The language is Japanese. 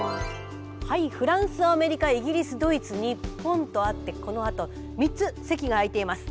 はいフランスアメリカイギリスドイツ日本とあってこのあと３つ席が空いています。